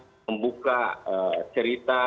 untuk membuka cerita